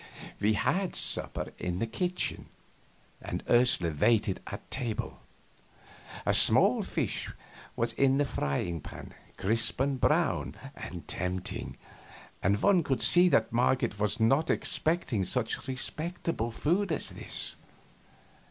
We had supper in the kitchen, and Ursula waited at table. A small fish was in the frying pan, crisp and brown and tempting, and one could see that Marget was not expecting such respectable food as this.